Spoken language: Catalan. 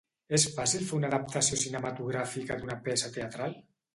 És fàcil fer una adaptació cinematogràfica d'una peça teatral?